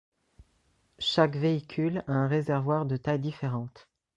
Chaque véhicule a un réservoir de taille différente.